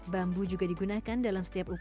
bambu juga digunakan dalam setiap upaya